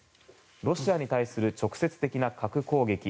ロシアに対する直接的な核攻撃